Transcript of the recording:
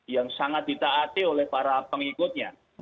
yang sangat ditaati oleh para pengikutnya